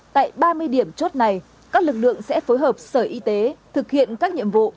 tại ba mươi điểm chốt này các lực lượng sẽ phối hợp sở y tế thực hiện các nhiệm vụ